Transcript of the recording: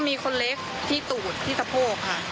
มีคนเล็กที่ตูดที่สะโพกค่ะ